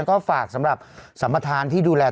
ก็ฝากสำหรับสัมประธานที่ดูแล